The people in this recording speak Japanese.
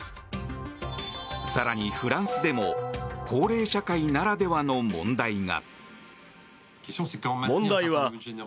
更に、フランスでも高齢社会ならではの問題が。